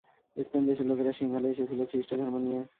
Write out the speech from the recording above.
স্পেন-দেশের লোকেরা সিংহলে এসেছিল খ্রীষ্টধর্ম নিয়ে।